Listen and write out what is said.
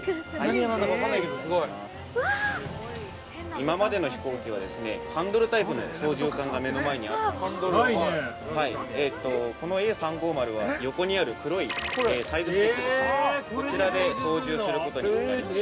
◆今までの飛行機はハンドルタイプの操縦桿が目の前にあったんですけどこのＡ３５０は横にある黒いサイドスティックそちらで操縦することになります。